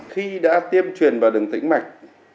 khi đã tiêm truyền vào đường tỉnh mạch